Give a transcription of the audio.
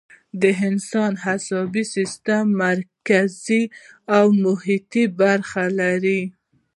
د انسان عصبي سیستم مرکزي او محیطی برخې لري